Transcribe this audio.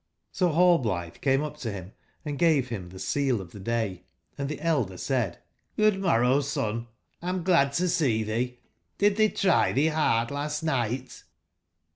So Rallblitbe came up to bim and gave bim tbe sele of tbe day :<& tbe elder said :'' Good morrow, son, I am glad to see tbee. Did tbey try tbee bard last nigbt?"